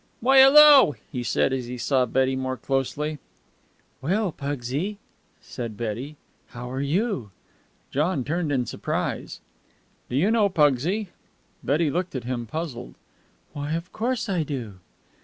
"Why, hello!" he said, as he saw Betty more closely. "Well, Pugsy," said Betty. "How are you?" John turned in surprise. "Do you know Pugsy?" Betty looked at him, puzzled. "Why, of course I do."